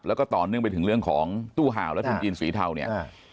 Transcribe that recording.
แล้วก็ต่อเนื่องไปถึงเรื่องของตู้ห่าวและทุนจีนสีเทาเนี่ย